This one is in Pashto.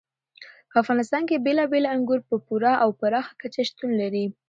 په افغانستان کې بېلابېل انګور په پوره او پراخه کچه شتون لري.